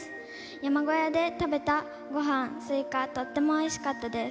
山小屋で食べたごはん、スイカ、とってもおいしかったです。